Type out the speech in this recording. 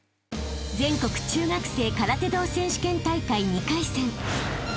［全国中学生空手道選手権大会２回戦］